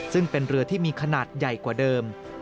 ซึ่งเป็นเรือที่มีขนาดใหญ่กว่าเดิม